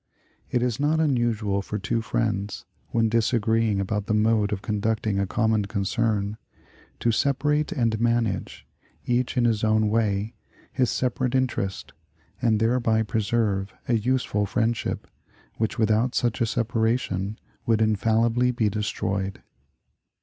It is not unusual for two friends, when disagreeing about the mode of conducting a common concern, to separate and manage, each in his own way, his separate interest, and thereby preserve a useful friendship, which without such separation would infallibly be destroyed."